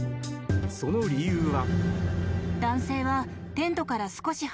その理由は。